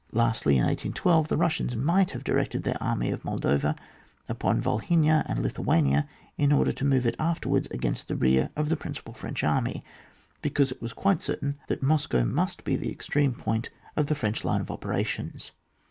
Lastly, in 1812, the Bussians might have directed their army of Moldavia upon Yolhynia and Lithuania in order to move it forward afterwards against the rear of the principal French army, bo cause it was quite certain that Moscow must be the extreme point of the French line of operations.